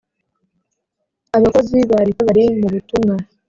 abakozi ba leta bari mu butumwa